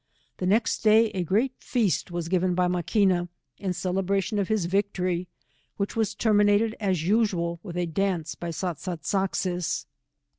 The next day a great feast was given by Maquina, in celebration of his victory, ♦which was terminated as usual with a dance by Sat sat sak sis.